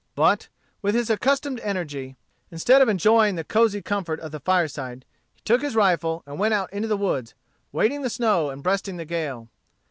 But, with his accustomed energy, instead of enjoying the cosey comfort of the Fireside, he took his rifle, and went out into the woods, wading the snow and breasting the gale.